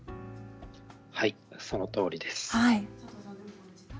そのとおりです。